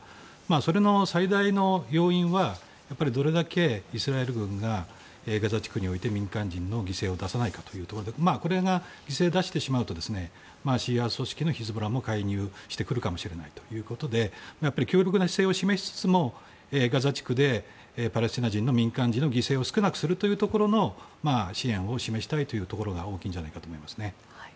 それの最大の要因はどれだけイスラエル軍がガザ地区において民間人の犠牲を出さないかということでこれが犠牲を出してしまうとシーア派組織のヒズボラも介入してくるかもしれないということで強力な姿勢を示しつつもガザ地区でパレスチナ人の民間人の犠牲を少なくするところの支援を示したいというのが大きいんじゃないかなと思いますね。